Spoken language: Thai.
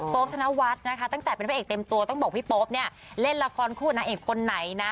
ป๊อบธนวัสตั้งแต่เป็นพระเอกเต็มตัวต้องบอกพี่โป๊ปเล่นละครคู่นาเอกคนไหน